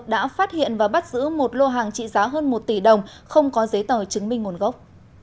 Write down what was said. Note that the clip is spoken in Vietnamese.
đã phát hiện và bắt giữ một lô hàng trị giá hơn một tỷ đồng không có giấy tờ chứng minh nguồn gốc